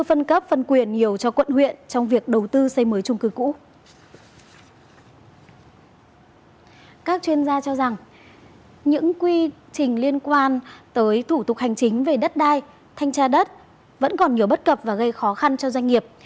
các chuyên gia cho rằng những quy trình liên quan tới thủ tục hành chính về đất đai thanh tra đất vẫn còn nhiều bất cập và gây khó khăn cho doanh nghiệp